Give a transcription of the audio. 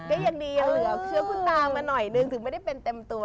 ก็ยังดียังเหลือเชื้อคุณตามาหน่อยนึงถึงไม่ได้เป็นเต็มตัว